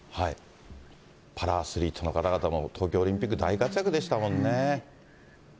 パラアスリートの方々も、東京オリンピック大活躍でしたもんね。